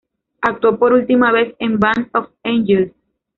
Actuó por última vez en "Band of Angels".